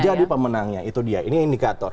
jadi pemenangnya itu dia ini indikator